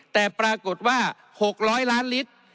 แต่ปรากฏว่า๖๐๐ล้านลิตร